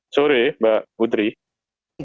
sorry mbak putri